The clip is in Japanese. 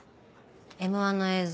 『Ｍ−１』の映像